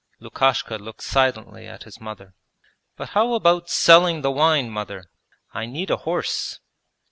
Lukashka looked silently at his mother. 'But how about selling the wine, mother? I need a horse.'